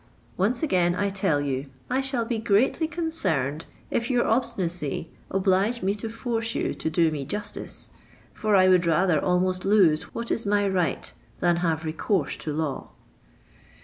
Once again I tell you, I shall be greatly concerned if your obstinacy oblige me to force you to do me justice; for I would rather almost lose what is my right than have recourse to law."